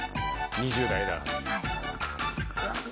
２０代だ。